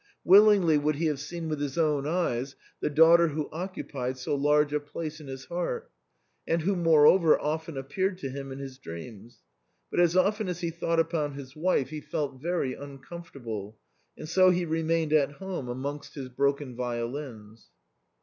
Willingly would he have seen with his own eyes the daughter who occu pied so large a place in his heart, and who moreover often appeared to him in his dreams ; but as often as he thought upon his wife he felt very uncomfortable, and so he remained at home amongst his broken violins.